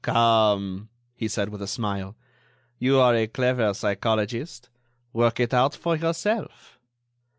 "Come," he said, with a smile, "you are a clever psychologist. Work it out for yourself."